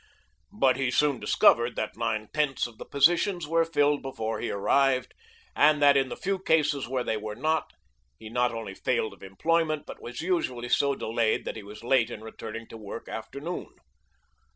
But he soon discovered that nine tenths of the positions were filled before he arrived, and that in the few cases where they were not he not only failed of employment, but was usually so delayed that he was late in returning to work after noon.